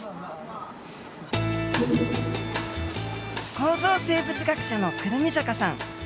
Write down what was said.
構造生物学者の胡桃坂さん。